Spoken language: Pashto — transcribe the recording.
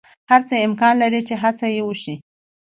هر څه امکان لری چی هڅه یی وشی